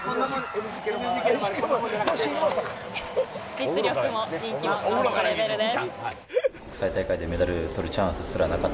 実力も人気もトップレベルです。